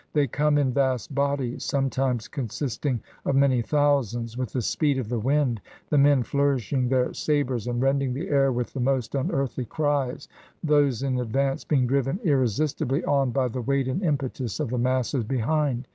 They come in vast bodies, sometimes consisting of, many thousands, with the speed of the wind, the men flourishing their sabers and rending the air with the most unearthly cries, those in advance being driven irresistibly on by the weight and impetus of the masses behind.